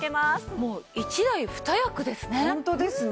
もう一台二役ですね。